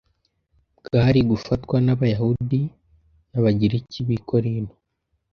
bwari gufatwa n’Abayahudi n’Abagiriki b’i Korinto.